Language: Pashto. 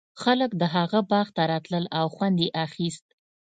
خلک د هغه باغ ته راتلل او خوند یې اخیست.